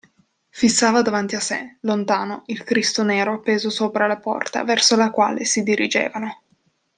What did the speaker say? Fissava davanti a sé, lontano, il Cristo nero appeso sopra la porta verso la quale si dirigevano.